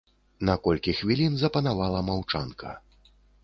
На колькі хвілін запанавала маўчанка.